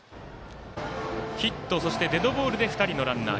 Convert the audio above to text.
ヒット、そしてデッドボールで２人のランナー。